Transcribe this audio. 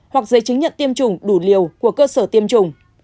hoặc giấy chứng nhận tiêm chủng đủ liều của cơ sở tiêm chủng